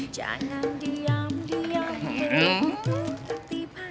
jangan diam diam menutup tiba tiba